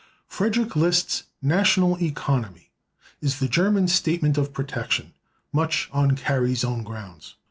Frederick List's "National Economy" is the German statement of protection, much on Carey's own grounds.